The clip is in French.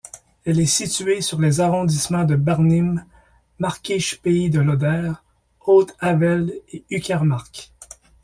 Elle est située sur les arrondissements de Barnim, Märkisch-Pays de l'Oder, Haute-Havel et Uckermark.